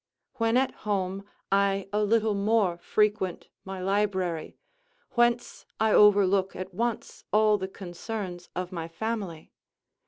When at home, I a little more frequent my library, whence I overlook at once all the concerns of my family.